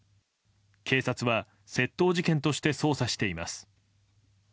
警察は窃盗事件として捜査しています。